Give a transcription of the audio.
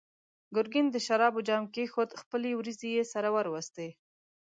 ګرګين د شرابو جام کېښود، خپلې وروځې يې سره وروستې.